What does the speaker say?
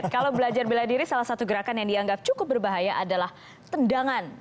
kalau belajar bela diri salah satu gerakan yang dianggap cukup berbahaya adalah tendangan